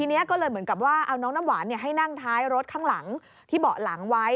ทีนี้ก็เลยเหมือนกับว่าเอาน้องน้ำหวานให้นั่งท้ายรถข้างหลังที่เบาะหลังไว้